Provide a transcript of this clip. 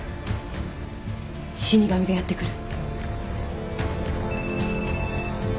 死神がやって来る。